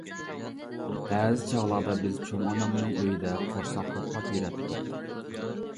بەزى چاغلاردا بىز چوڭ ئانامنىڭ ئۆيىدە قورساق توقلاپ يۈرەتتۇق.